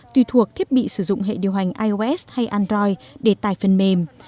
tùy thuộc thiết bị sử dụng hệ điều hành ios hay android để tải phần mềm